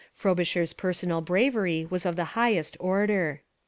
Frobisher's personal bravery was of the highest order.